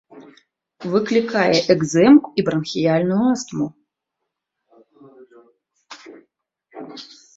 Выклікае экзэму і бранхіяльную астму.